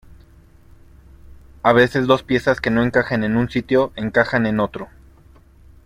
a veces dos piezas que no encajan en un sitio, encajan en otro.